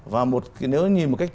và nếu nhìn một cách